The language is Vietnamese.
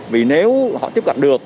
vì nếu họ tiếp cận được